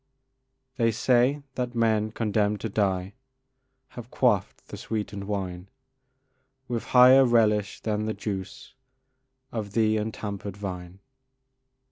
They say that men condemned to die Have quaffed the sweetened wine With higher relish than the juice Of the untampered vine.